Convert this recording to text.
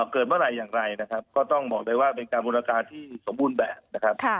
เกิดเมื่อไรอย่างไรก็ต้องบอกเลยว่าเป็นการบริละการที่สมบูรณ์แบบ